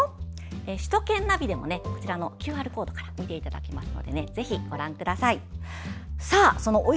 首都圏ナビでもＱＲコードから見られますのでぜひ、ご覧ください。